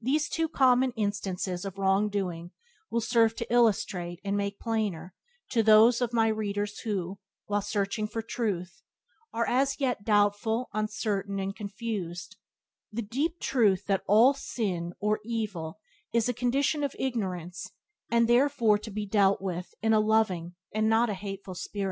These two common instances of wrong doing will serve to illustrate and make plainer, to those of my readers who, while searching for Truth, are as yet doubtful, uncertain, and confused, the deep Truth that all sin, or evil, is a condition of ignorance and therefore to be dealt with in a loving and not a hateful spirit.